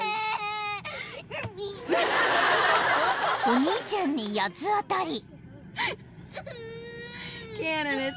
［お兄ちゃんに八つ当たり］